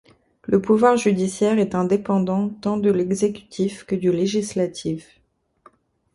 Le pouvoir judiciaire est indépendant tant de l’exécutif que du législatif.